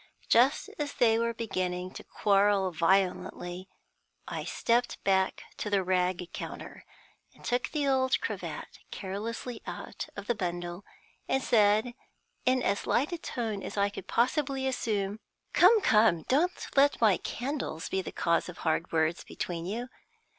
Just as they were beginning to quarrel violently, I stepped back to the rag counter, took the old cravat carelessly out of the bundle, and said, in as light a tone as I could possibly assume: "Come, come, don't let my candles be the cause of hard words between you.